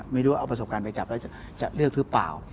ไม่รู้ว่าเอาประสบการณ์ไปจับแล้วจะเลือกหรือเปล่า